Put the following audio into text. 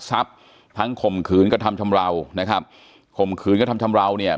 ทรัพย์ทั้งข่มขืนกระทำชำราวนะครับข่มขืนกระทำชำราวเนี่ย